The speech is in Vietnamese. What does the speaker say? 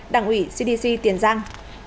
đảng ủy cdc tiền giang